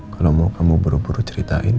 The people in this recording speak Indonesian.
kalau mau kamu buru buru ceritain